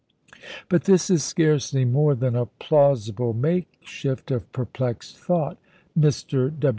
But this is scarcely more than a plausible makeshift of perplexed thought. Mr.